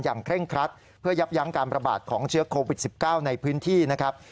เคร่งครัดเพื่อยับยั้งการประบาดของเชื้อโควิด๑๙ในพื้นที่นะครับ